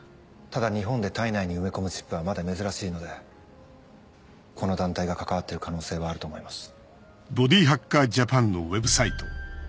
ただ日本で体内に埋め込むチップはまだ珍しいのでこの団体が関わってる可能性はあると思います。